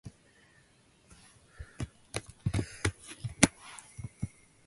Several lintels, two wine-presses and one olive-press have been found here.